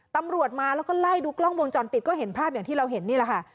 ตำรวจมาแล้วก็ไล่ดูกล้องวงจรปิดก็เห็นภาพอย่างที่เราเห็นนี่แหละค่ะ